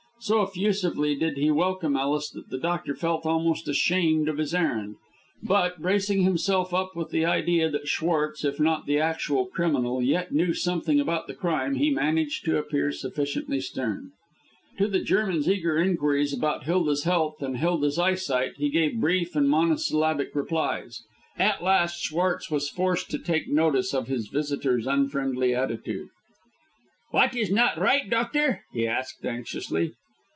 So effusively did he welcome Ellis that the doctor felt almost ashamed of his errand, but, bracing himself up with the idea that Schwartz, if not the actual criminal, yet knew something about the crime, he managed to appear sufficiently stern. To the German's eager inquiries about Hilda's health and Hilda's eyesight he gave brief and monosyllabic replies. At last Schwartz was forced to take notice of his visitor's unfriendly attitude. "What is not right, doctor?" he asked anxiously.